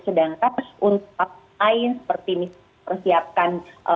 sedangkan untuk hal lain seperti misal persiapkan